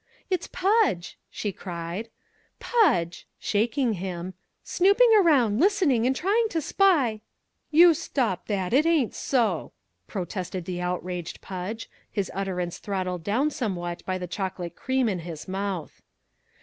"It's Pudge!" she cried. "Pudge" shaking him "snooping around, listening and trying to spy " "You stop that it ain't so!" protested the outraged Pudge, his utterance throttled down somewhat by the chocolate cream in his mouth.